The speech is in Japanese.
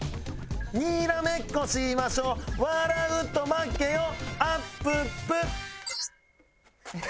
「にらめっこしましょ」「笑うと負けよあっぷっぷ」